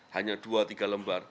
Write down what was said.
hanya dua tiga lembar